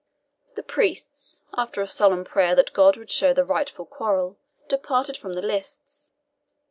The priests, after a solemn prayer that God would show the rightful quarrel, departed from the lists.